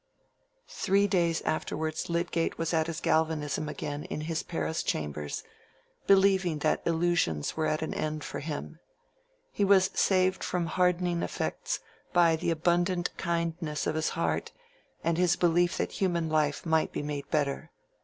Three days afterwards Lydgate was at his galvanism again in his Paris chambers, believing that illusions were at an end for him. He was saved from hardening effects by the abundant kindness of his heart and his belief that human life might be made better.